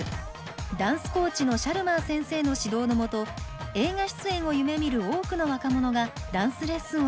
ダンスコーチのシャルマー先生の指導のもと映画出演を夢みる多くの若者がダンスレッスンを受けています。